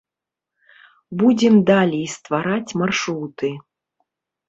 Будзем далей ствараць маршруты.